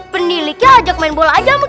peniliknya ajak main bola aja mungkin ya